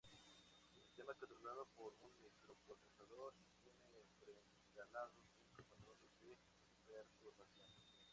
El sistema controlado por un microprocesador y tiene preinstalado cinco patrones de perturbación.